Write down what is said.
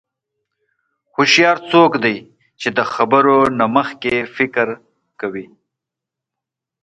هوښیار څوک دی چې د خبرو نه مخکې فکر کوي.